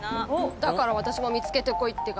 だから私も見つけてこいってか？